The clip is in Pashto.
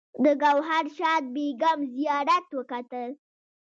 د ګوهر شاد بیګم زیارت وکتل.